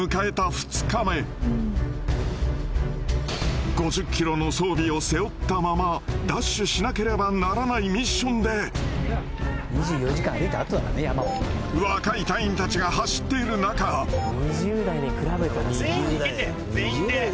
２日目５０ｋｇの装備を背負ったままダッシュしなければならないミッションで若い隊員たちが走っている中・全員でいけって全員で！